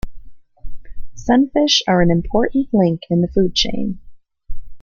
Sunfish are an important link in the food chain.